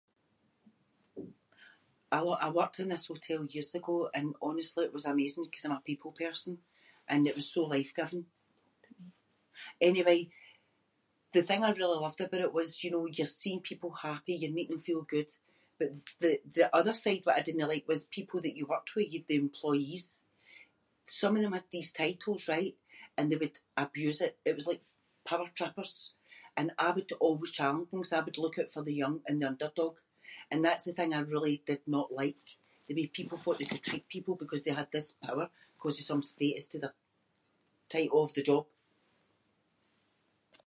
I lo- I worked in this hotel years ago and honestly it was amazing ‘cause I’m a people person and it was so life-giving. Anyway, the thing I really loved aboot it was, you know, you’re seeing people happy, you’re making them feel good. But th- the other side what I didnae like was people that you worked with, the employees. Some of them had these titles, right, and they would abuse it. It was like power trippers and I would always challenge them ‘cause I would look oot for the young and the underdog. And that’s the thing I really did not like, the way people thought they could treat people because they had this power ‘cause of some status to their title of the job.